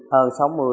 sáu mươi hơn sáu mươi